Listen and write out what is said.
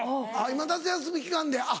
今夏休み期間で。